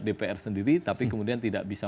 dpr sendiri tapi kemudian tidak bisa